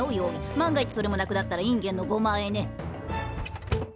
万が一それもなくなったらインゲンのごまあえね。